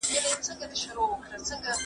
ایا تکړه پلورونکي تور ممیز اخلي؟